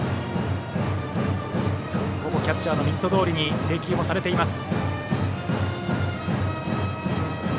キャッチャーのミットどおりに制球されています。